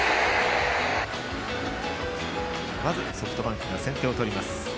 まずソフトバンクが先手を取ります。